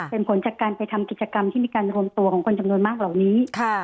เป็นผลจากการไปทำกิจกรรมที่มีการรวมตัวของคนจำนวนมากเหล่านี้